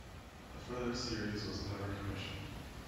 A further series was never commissioned.